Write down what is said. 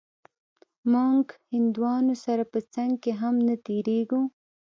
موږ هندوانو سره په څنگ کښې هم نه تېرېږو.